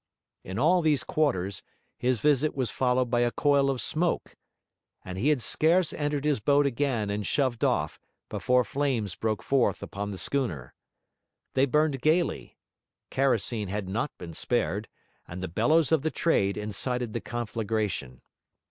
In all these quarters, his visit was followed by a coil of smoke; and he had scarce entered his boat again and shoved off, before flames broke forth upon the schooner. They burned gaily; kerosene had not been spared, and the bellows of the Trade incited the conflagration.